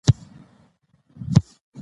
که ماشین وي نو کار نه سختیږي.